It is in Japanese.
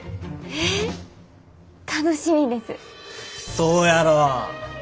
そうやろ？